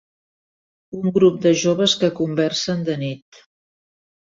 Un grup de joves que conversen de nit.